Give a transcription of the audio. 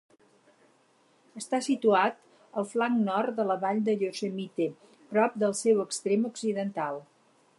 Està situat al flanc nord de la Vall de Yosemite, prop del seu extrem occidental.